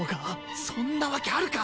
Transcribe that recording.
そんなわけあるか！